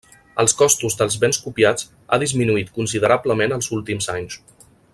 Els costos dels béns copiats ha disminuït considerablement els últims anys.